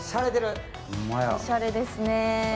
おしゃれですね。